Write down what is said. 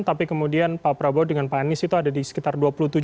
tapi kemudian pak prabowo dengan pak anies itu ada di sekitar dua puluh tujuh